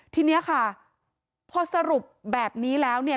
ทีนี้ค่ะพอสรุปแบบนี้แล้วเนี่ย